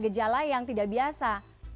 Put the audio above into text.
atau gejala gejala yang tidak biasa